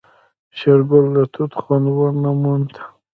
شېرګل د توت خوند ونه موند.